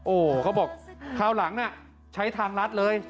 โอ้โหเขาบอกคราวหลังน่ะใช้ทางลัดเลย